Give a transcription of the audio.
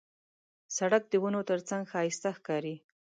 سړک د ونو ترڅنګ ښایسته ښکاري.